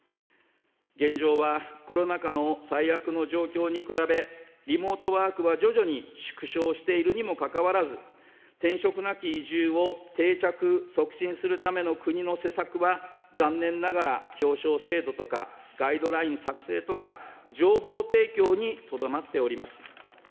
現状は、コロナ禍の最悪の状況に比べ、リモートワークは徐々に縮小しているにもかかわらず、転職なき移住を定着・促進するための国の施策は残念ながら、表彰制度とか、ガイドライン作成とか、情報提供にとどまっております。